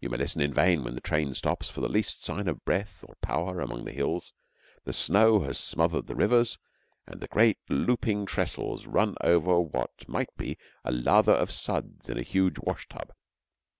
You may listen in vain when the train stops for the least sign of breath or power among the hills. The snow has smothered the rivers, and the great looping trestles run over what might be a lather of suds in a huge wash tub.